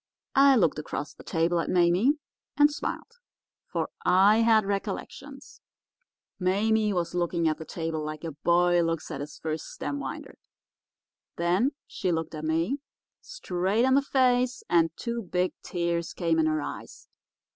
I looked across the table at Mame and smiled, for I had recollections. Mame was looking at the table like a boy looks at his first stem winder. Then she looked at me, straight in the face, and two big tears came in her eyes.